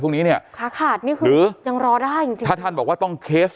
ตรงนี้เนี่ยขาขาดนี่คือยังรอได้ถ้าท่านบอกว่าต้องเคส